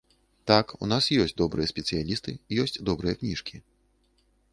Так, у нас ёсць добрыя спецыялісты, ёсць добрыя кніжкі.